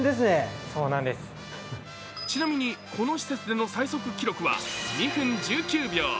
ちなみにこの施設での最速記録は２分１９秒。